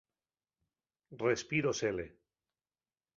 Respiro sele.